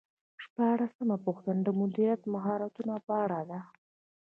شپاړسمه پوښتنه د مدیریت د مهارتونو په اړه ده.